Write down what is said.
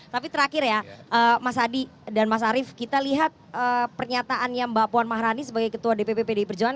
tapi terakhir ya mas adi dan mas arief kita lihat pernyataannya mbak puan maharani sebagai ketua dpp pdi perjuangan